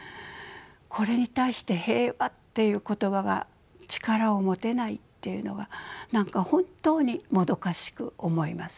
これに対して平和っていう言葉が力を持てないっていうのが何か本当にもどかしく思います。